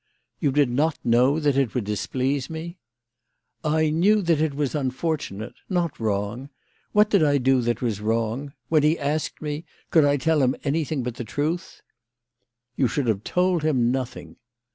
" You did not know that it would displease me ?" "I knew that it was unfortunate, not wrong. What did I do that was wrong ? When he asked me, could I tell him anything but the truth ?"" You should have told him nothing."